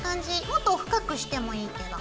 もっと深くしてもいいけど。